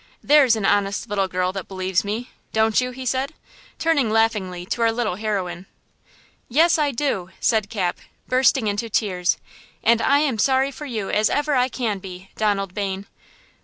There's an honest little girl that believes me–don't you?" he said, turning laughingly to our little heroine. "Yes, I do!" said Cap, bursting into tears; "and I am sorry for you as ever I can be, Donald Bayne."